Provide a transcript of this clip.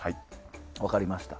分かりました。